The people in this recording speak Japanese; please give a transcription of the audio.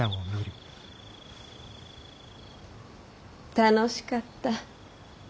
楽しかった。